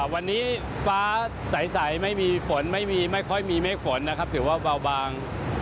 วันนี้ฟ้าใสไม่มีฝนไม่ค่อยมีเมฆฝนนะครับถือว่าเบาบาง